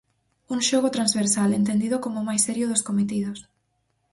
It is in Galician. Un xogo transversal, entendido como o máis serio dos cometidos.